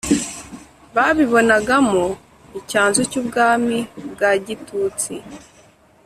babibonagamo icyanzu cy'ubwami bwa gitutsi